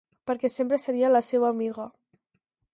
Perquè sempre seria la seua amiga...